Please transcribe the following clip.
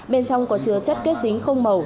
bên trong có chứa chất kết dính không màu